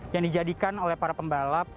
yang dijadikan oleh para pembalap